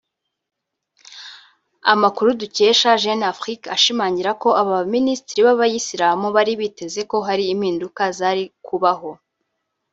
Amakuru dukesha Jeune Afrique ashimangira ko aba baminisitiri b’abayisilamu bari biteze ko hari impinduka zari kubaho